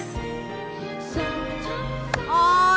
おい！